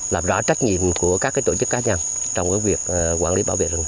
làm rõ trách nhiệm của các tổ chức cá nhân trong việc quản lý bảo vệ rừng